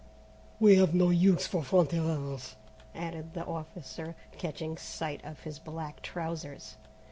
"We have no use for Franc tireurs," added the officer, catching sight of his black trousers.